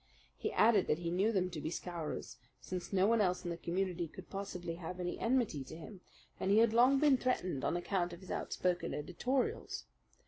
He added that he knew them to be Scowrers, since no one else in the community could possibly have any enmity to him, and he had long been threatened on account of his outspoken editorials.